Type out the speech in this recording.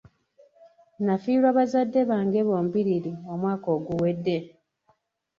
Nafiirwa bazadde bange bombiriri omwaka oguwedde.